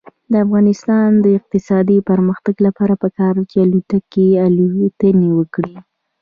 د افغانستان د اقتصادي پرمختګ لپاره پکار ده چې الوتکې الوتنې وکړي.